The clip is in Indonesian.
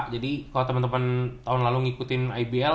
jadi kalau teman teman tahun lalu ngikutin ibl